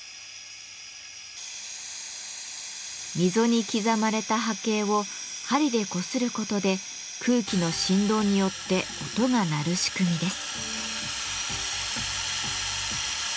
溝に刻まれた波形を針でこすることで空気の振動によって音が鳴る仕組みです。